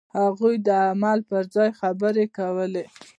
هغوی د عمل پر ځای خبرې کولې.